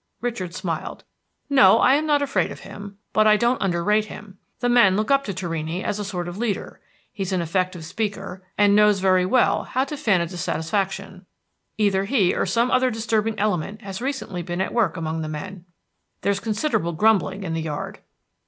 Richard smiled. "No, I am not afraid of him, but I don't underrate him. The men look up to Torrini as a sort of leader; he's an effective speaker, and knows very well how to fan a dissatisfaction. Either he or some other disturbing element has recently been at work among the men. There's considerable grumbling in the yard."